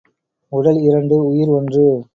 உடல் இரண்டு, உயிர் ஒன்று.